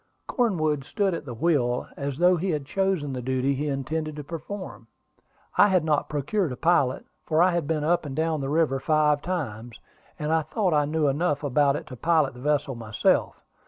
Cornwood stood at the wheel, as though he had chosen the duty he intended to perform. I had not procured a pilot, for I had been up and down the river five times, and I thought I knew enough about it to pilot the vessel myself.